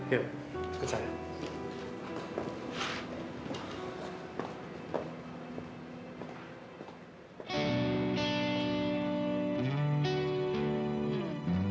yuk ke sana